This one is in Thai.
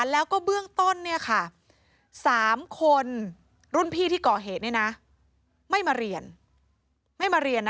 แล้วก็เบื้องต้นสามคนรุ่นพี่ที่ก่อเหตุไม่มาเรียน